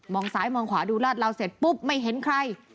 ซ้ายมองขวาดูลาดเหลาเสร็จปุ๊บไม่เห็นใคร